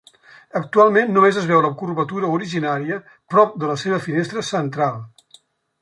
Actualment només es veu la curvatura originària prop de la seva finestra central.